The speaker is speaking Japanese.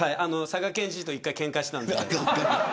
佐賀県知事と１回、けんかしたので。